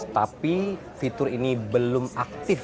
tapi fitur ini belum aktif